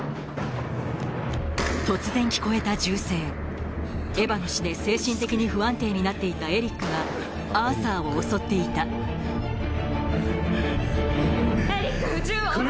突然聞こえた銃声エバの死で精神的に不安定になっていたエリックがアーサーを襲っていたエリック銃を下ろして。